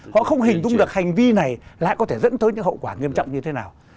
họ không hình dung được hành vi này lại có thể dẫn tới những hậu quả nghiêm trọng như thế nào